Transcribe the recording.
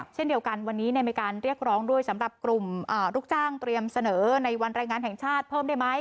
เช่นเดียวกันวันนี้มีการเรียกร้องด้วยสำหรับกลุ่มลูกจ้างเตรียมเสนอในวันรายงานแห่งชาติเพิ่มได้ไหม